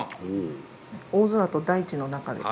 「大空と大地の中で」。